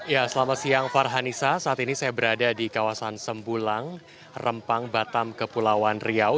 ya selamat siang farhanisa saat ini saya berada di kawasan sembulang rempang batam kepulauan riau